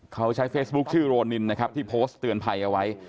เขาใช้เฟซบุ๊คชื่อโรนินนะครับที่โพสต์เตือนภัยเอาไว้